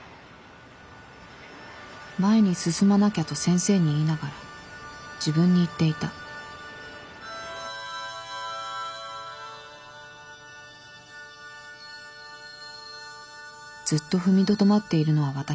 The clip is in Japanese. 前に進まなきゃと先生に言いながら自分に言っていたずっと踏みとどまっているのは私だ。